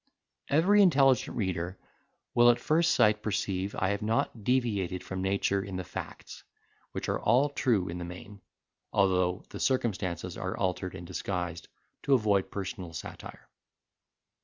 Every intelligent reader will, at first sight, perceive I have not deviated from nature in the facts, which are all true in the main, although the circumstances are altered and disguised, to avoid personal satire.